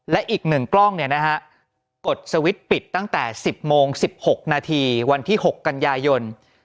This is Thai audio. และอีกหนึ่งกล้องเนี่ยนะฮะกดสวิตช์ปิดตั้งแต่๑๐โมง๑๖นาทีวันที่๖กันยายน